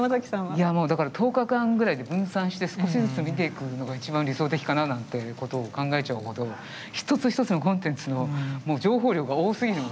いやもうだから１０日間ぐらいで分散して少しずつ見ていくのが一番理想的かななんてことを考えちゃうほど一つ一つのコンテンツの情報量が多すぎるので。